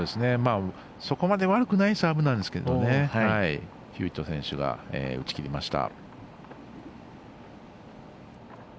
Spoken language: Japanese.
そこまで悪くないサーブなんですけどヒューウェット選手が打ち切りました。